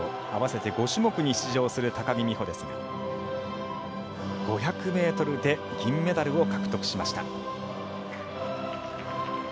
合わせて５種目に出場する高木美帆ですが５００ｍで銀メダルを獲得しました。